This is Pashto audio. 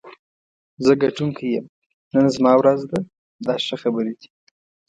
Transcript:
زه ګټونکی یم، نن زما ورځ ده دا ښه خبرې دي.